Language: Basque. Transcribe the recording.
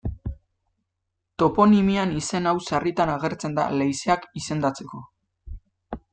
Toponimian izen hau sarritan agertzen da leizeak izendatzeko.